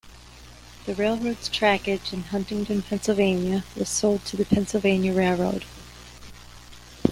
The railroad's trackage in Huntingdon, Pennsylvania was sold to the Pennsylvania Railroad.